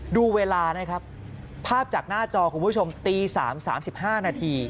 ดูเวลานะครับภาพจากหน้าจอคุณผู้ชมตี๓๓๕นาที